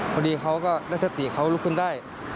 พอดีเขาก็ได้สติเขาลุกขึ้นได้